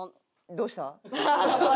どうした？